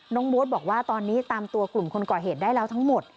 โมทบอกว่าตอนนี้ตามตัวกลุ่มคนก่อเหตุได้แล้วทั้งหมด